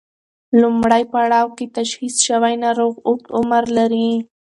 لومړی پړاو کې تشخیص شوی ناروغ اوږد عمر لري.